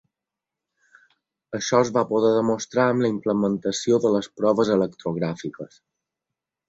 Això es va poder demostrar amb la implementació de les proves electrogràfiques.